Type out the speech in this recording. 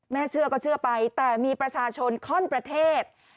เชื่อก็เชื่อไปแต่มีประชาชนข้อนประเทศ